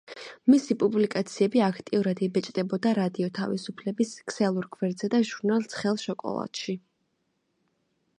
მისი პუბლიკაციები აქტიურად იბეჭდება რადიო თავისუფლების ქსელურ გვერდზე და ჟურნალ „ცხელ შოკოლადში“.